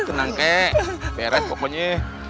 tenang kek beres pokoknya